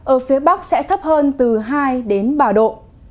ở phía bắc sẽ thấp hơn từ hai đến ba độ